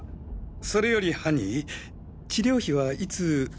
それよりハニー治療費はいつ？